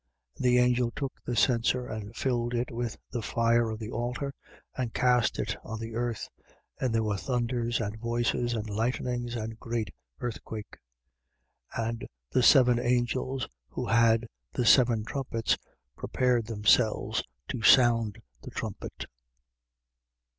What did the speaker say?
8:5. And the angel took the censer and filled it with the fire of the altar and cast it on the earth: and there were thunders and voices and lightnings and a great earthquake. 8:6. And the seven angels who had the seven trumpets prepared themselves to sound the trumpet.